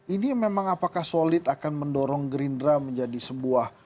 ini memang apakah solid akan mendorong gerindra menjadi sebuah